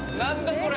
これ。